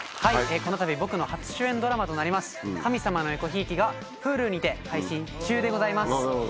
はいこのたび僕の初主演ドラマとなります『神様のえこひいき』がＨｕｌｕにて配信中でございます。